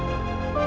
lo mau kemana